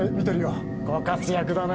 ご活躍だね。